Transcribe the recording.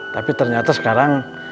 tapi ternyata sekarang